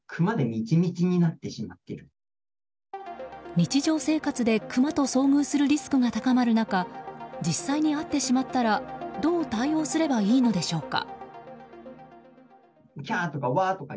日常生活でクマと遭遇するリスクが高まる中実際に会ってしまったらどう対応すればいいのでしょうか。